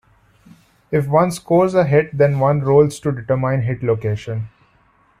If one scores a hit, then one rolls to determine hit location.